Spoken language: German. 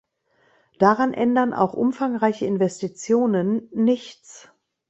Daran ändern auch umfangreiche Investitionen nichts.